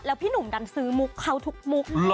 พี่หนุ่มดันซื้อมุกเขาทุกมุก